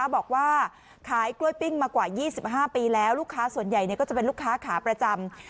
บอกว่าขายกล้วยปิ้งมากว่า๒๕ปีแล้วลูกค้าส่วนใหญ่ก็จะเป็นลูกค้าขาประจำ